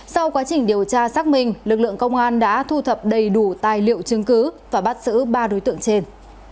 sau quá trình điều tra xác minh lực lượng công an đã thu thập đầy đủ tài liệu chứng cứ và bắt xử ba đối tượng trên